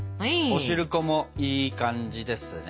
おしるこもいい感じですね。